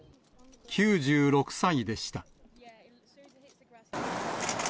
９６歳でした。